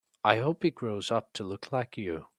I hope he grows up to look like you.